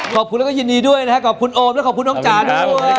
ขอบคุณแล้วก็ยินดีด้วยนะครับขอบคุณโอมและขอบคุณน้องจ๋าด้วย